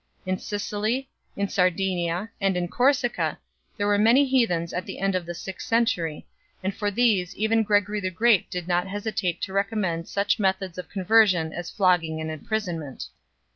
In Sicily, in Sardinia, and in Corsica there were many heathens at the end of the sixth century, and for these even Gregory the Great did not hesitate to recommend such methods of conversion as flogging and imprisonment 5